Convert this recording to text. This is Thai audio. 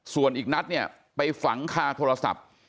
ส่วนอีกนัดเนี่ยไปฝังคาโทรศัพท์